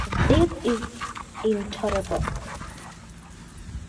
This is intolerable.